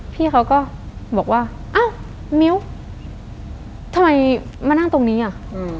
พี่เขาก็บอกว่าอ้าวมิ้วทำไมมานั่งตรงนี้อ่ะ